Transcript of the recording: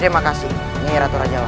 terima kasih ini ratu raja